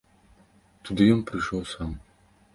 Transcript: Туды ён прыйшоў сам.